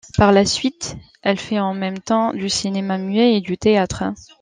Par la suite, elle fait en même temps du cinéma muet et du théâtre.